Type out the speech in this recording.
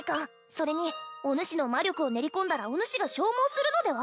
それにお主の魔力を練り込んだらお主が消耗するのでは？